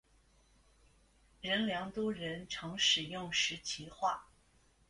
仁良都人常使用石岐话。